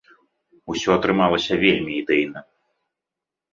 Усё атрымалася вельмі ідэйна!